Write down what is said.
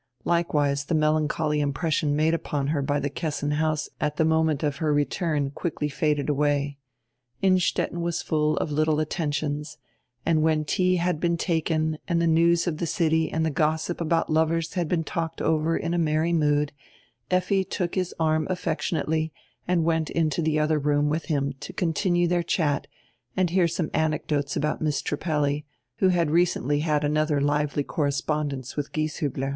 Likewise the melancholy impression made upon her by the Kessin house at the moment of her return quickly faded away. Innstetten was full of little attentions, and when tea had been taken and the news of tire city and the gossip about lovers had been talked over in a merry mood Effi took his arm affectionately and went into the other room with him to continue their chat and hear some anecdotes about Miss Trippelli, who had recently had another lively correspondence with Gies hubler.